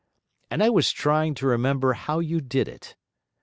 And I was trying to remember how you did it.